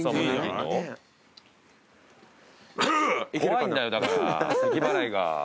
怖いんだよだからせきばらいが。